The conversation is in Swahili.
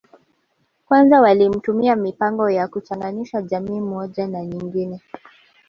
Kwanza walitumia mipango ya kuchonganisha jamii moja na nyingine